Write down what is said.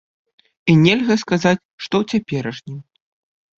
І нельга сказаць, што ў цяперашнім.